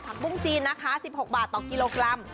ผักปุ้งจีนนะคะสิบหกบาทต่อกิโลกรัม